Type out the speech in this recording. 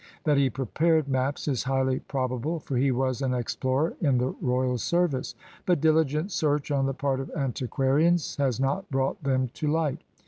That he prepared maps is highly probable, for he was an explorer in the royal service. But diligent search on the part of antiquarians has not brought them to light.